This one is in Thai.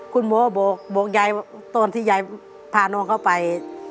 คุณหมอบอกยายตอนที่ยายพาน้องเขาไป